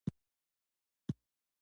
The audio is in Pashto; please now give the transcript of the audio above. رحمت الله د خپل نیکه خونې وبللې.